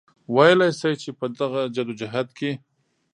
وئيلی شي چې پۀ دغه جدوجهد کې